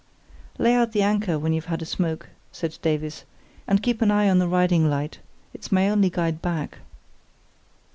"Lay out the anchor when you've had a smoke," said Davies, "and keep an eye on the riding light; it's my only guide back."